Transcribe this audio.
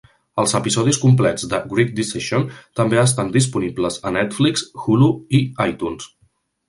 Els episodis complets de "Great Decision" també estan disponibles a Netflix, Hulu i iTunes.